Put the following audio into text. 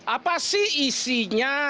apa sih isinya